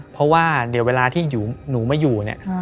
เพราะว่าเดี๋ยวเวลาที่หนูไม่อยู่